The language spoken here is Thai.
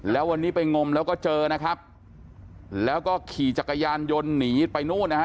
แล้ววันนี้ไปงมแล้วก็เจอนะครับแล้วก็ขี่จักรยานยนต์หนีไปนู่นนะฮะ